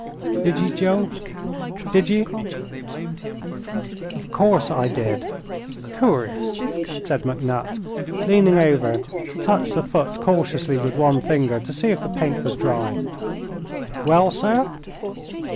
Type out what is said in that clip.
"Did ye, Joe? did ye?" "Of course I did." "Cur'ous," said McNutt, leaning over to touch the foot cautiously with one finger, to see if the paint was dry. "Well, sir!"